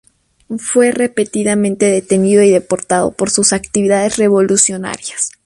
Fue repetidamente detenido y deportado por sus actividades revolucionarias.